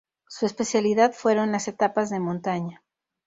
Su especialidad fueron las etapas de montaña.